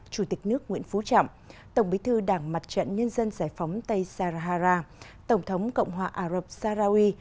chủ tịch nước nguyễn phú trọng tổng bí thư đảng mặt trận nhân dân giải phóng tây sarahara tổng thống cộng hòa ả rập sarawi